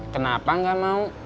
kenapa gak mau